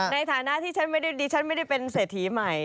ในฐานะที่ฉันไม่ได้เป็นเศรษฐีใหม่